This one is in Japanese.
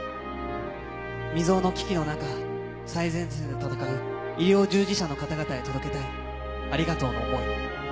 未曽有の危機の中、最前線で闘う医療従事者の方々へ届けたい、ありがとうの想い。